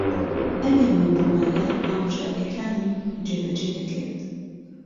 ئەگەر من بوومایە، ئامۆژگارییەکانیم جێبەجێ دەکرد.